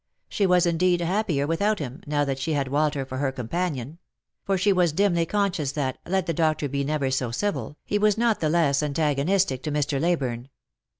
She was indeed happier without him, now that she had Walter for her companion ; for she was dimly conscious that, let the doctor be never so civil, he was not the less antagonistic to Mr. Leyburne.